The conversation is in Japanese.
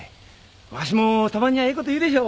わしもたまにはいいこと言うでしょ？